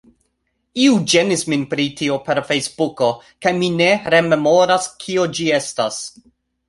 Iu ĝenis min pri tio per Fejsbuko kaj mi ne rememoras, kio ĝi estas